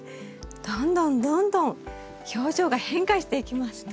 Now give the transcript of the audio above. どんどんどんどん表情が変化していきますね。